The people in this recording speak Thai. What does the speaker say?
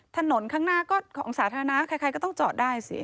ถนนข้างหน้าก็ของสาธารณะใครก็ต้องจอดได้สิ